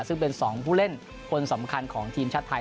ซึ่งเป็น๒ผู้เล่นคนสำคัญของทีมชาติไทย